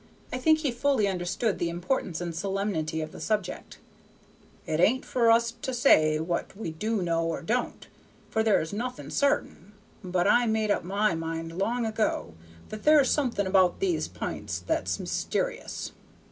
I think he fully understood the importance and solemnity of the subject. "It ain't for us to say what we do know or don't, for there's nothing sartain, but I made up my mind long ago that there's something about these p'ints that's myster'ous.